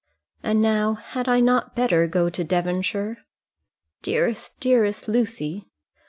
And, now, had I not better go to Devonshire?" "Dearest, dearest Lucy."